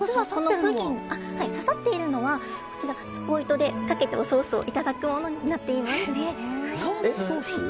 刺さっているのはスポイトでソースをかけていただくものになっています。